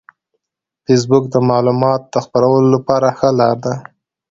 فېسبوک د معلوماتو د خپرولو لپاره ښه لار ده